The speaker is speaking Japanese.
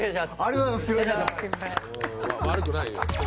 うん悪くないよ。